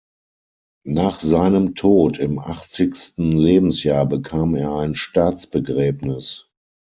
Nach seinem Tod im achtzigsten Lebensjahr bekam er ein Staatsbegräbnis.